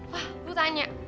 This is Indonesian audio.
wah lu tanya